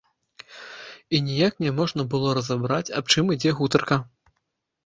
І ніяк няможна было разабраць, аб чым ідзе гутарка.